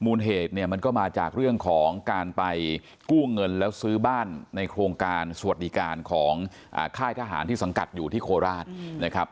เหตุเนี่ยมันก็มาจากเรื่องของการไปกู้เงินแล้วซื้อบ้านในโครงการสวัสดิการของค่ายทหารที่สังกัดอยู่ที่โคราชนะครับ